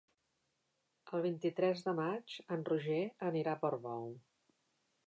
El vint-i-tres de maig en Roger anirà a Portbou.